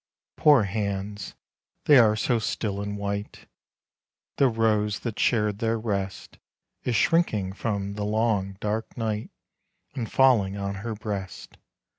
Poor hands they are so still and white, The rose that shared their rest Is shrinking from the long, dark night, And falling on her breast.